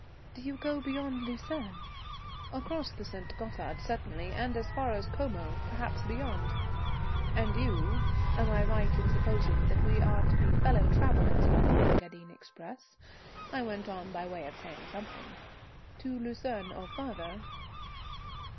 "Do you go beyond Lucerne?" "Across the St. Gothard certainly, and as far as Como, perhaps beyond. And you? Am I right in supposing we are to be fellow travellers by the Engadine express?" I went on by way of saying something. "To Lucerne or further?"